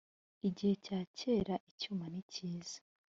igihe cya kera icyuma nikiza